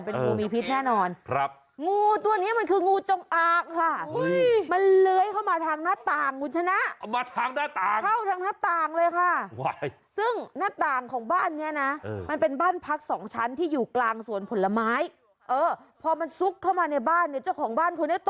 เป็นงูมีพิษแน่นอนงูตัวนี้มันคืองูจงอาค่ะมันเล้ยเข้ามาทางหน้าต่างมรุณชนะ